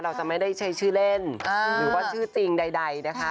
เราจะไม่ได้ใช้ชื่อเล่นหรือว่าชื่อจริงใดนะคะ